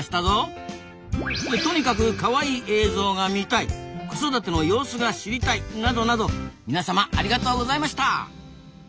「とにかくカワイイ映像が見たい」「子育ての様子が知りたい」などなど皆様ありがとうございました！